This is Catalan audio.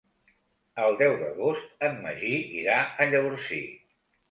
El deu d'agost en Magí irà a Llavorsí.